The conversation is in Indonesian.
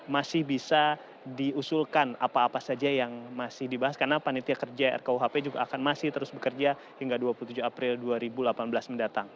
masih bisa diusulkan apa apa saja yang masih dibahas karena panitia kerja rkuhp juga akan masih terus bekerja hingga dua puluh tujuh april dua ribu delapan belas mendatang